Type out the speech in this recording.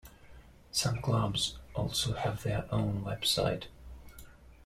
Some clubs also have their own website.